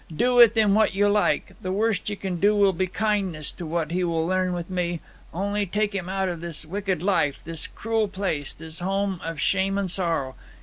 Do with him what you like. The worst you can do will be kindness to what he will learn with me. Only take him out of this wicked life, this cruel place, this home of shame and sorrow.